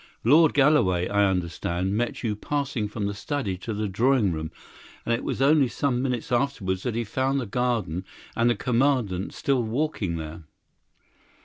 Lord Galloway, I understand, met you passing from the study to the drawing room, and it was only some minutes afterwards that he found the garden and the Commandant still walking there."